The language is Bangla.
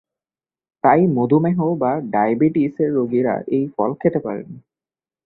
তাই মধুমেহ বা ডায়াবেটিসের রোগীরা এই ফল খেতে পারেন।